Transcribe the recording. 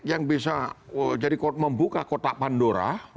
yang bisa jadi membuka kotak pandora